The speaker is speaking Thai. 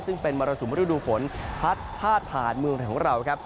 ซึ่งเป็นมริสุมธุรูปฝนพาดผ่านเมืองแถวของเราครับ